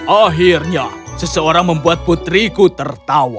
akhirnya seseorang membuat putriku tertawa